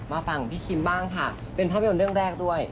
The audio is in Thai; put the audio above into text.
มาฟังพี่คิมบ้างค่ะเป็นภาพยนตร์เรื่องแรกด้วย